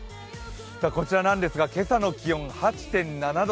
こちらなんですが今朝の気温８．７度。